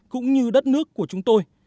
cũng như đất nước của chúng tôi